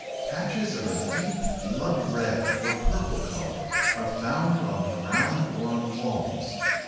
Patches of a deep blood red or purple colour are found on the ground or on walls.